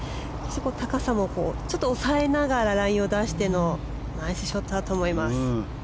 高さも抑えながらラインを出してのナイスショットだと思います。